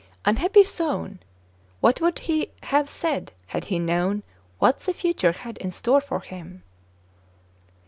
Unhappy Soun ! what would he have said had he known what the future had in store for him